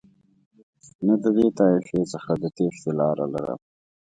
نه د دې طایفې څخه د تېښتې لاره لرم.